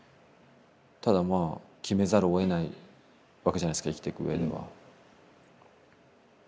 ただまあ決めざるをえないわけじゃないっすか生きていくうえでは。